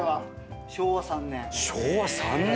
昭和３年？